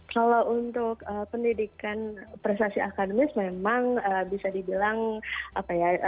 kalau untuk pendidikan prestasi akademis memang bisa dibilang apa ya